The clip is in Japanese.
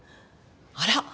あら！